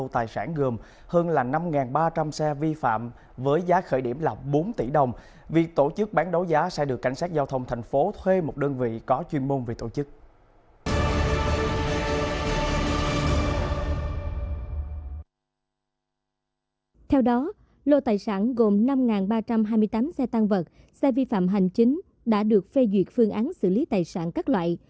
theo đó lô tài sản gồm năm ba trăm hai mươi tám xe tăng vật xe vi phạm hành chính đã được phê duyệt phương án xử lý tài sản các loại